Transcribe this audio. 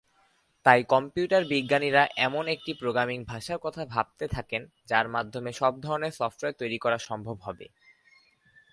তাই কম্পিউটার বিজ্ঞানীরা এমন একটি প্রোগ্রামিং ভাষার কথা ভাবতে থাকেন যার মাধ্যমে সব ধরনের সফটওয়্যার তৈরি করা সম্ভব হবে।